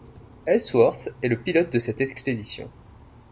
Ellsworth est le pilote de cette expédition.